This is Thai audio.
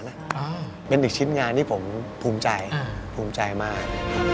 เป็นอีกชิ้นงานที่ผมภูมิใจภูมิใจมาก